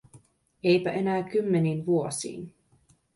Eipä enää kymmeniin vuosiin.